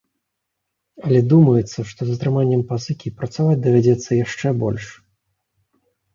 Але думаецца, што з атрыманнем пазыкі, працаваць давядзецца яшчэ больш.